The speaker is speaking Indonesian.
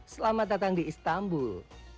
selamat datang di istanbul